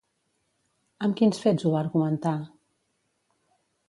Amb quins fets ho va argumentar?